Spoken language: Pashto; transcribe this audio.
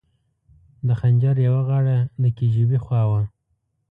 د خنجر یوه غاړه د کي جي بي خوا وه.